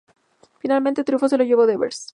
Finalmente el triunfo se lo llevó Devers.